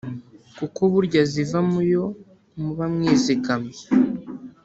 kuko burya ziva mu yo muba mwizigamye